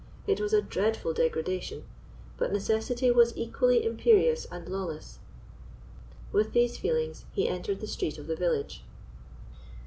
It was a dreadful degradation; but necessity was equally imperious and lawless. With these feelings he entered the street of the village.